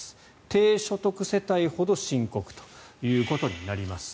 低所得世帯ほど深刻ということになります。